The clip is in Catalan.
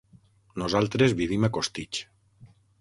Nosaltres vivim a Costitx.